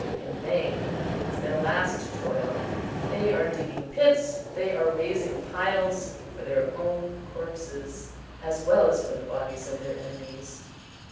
In vain; it is their last toil; they are digging pits, they are raising piles, for their own corpses, as well as for the bodies of their enemies.